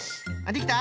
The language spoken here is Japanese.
できた？